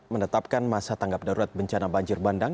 menetapkan masa tanggap darurat bencana banjir bandang